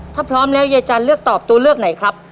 ถ้าพร้อมแล้วยายจันเลือกตอบตัวเลือกไหนครับ